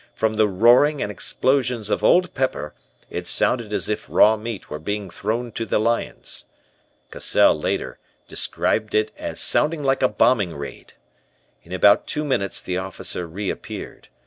From the roaring and explosions of Old Pepper it sounded as if raw meat was being thrown to the lions. Cassell, later, described it as sounding like a bombing raid. In about two minutes the officer reappeared.